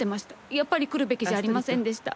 やっぱり来るべきじゃありませんでした。